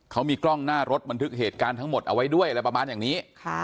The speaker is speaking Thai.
เขามีกล้องหน้ารถบันทึกเหตุการณ์ทั้งหมดเอาไว้ด้วยอะไรประมาณอย่างนี้